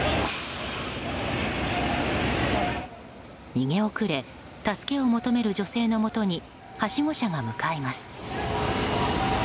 逃げ遅れ助けを求める女性のもとにはしご車が向かいます。